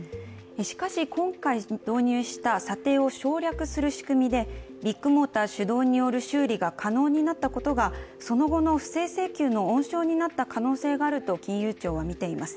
しかし今回導入した査定を省略する仕組みでビッグモーター主導よる修理が可能になったことで、その後の不正請求の温床になった可能性があると金融庁は見ています。